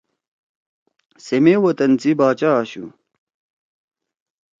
سے مے وطن سی باچا آشُو۔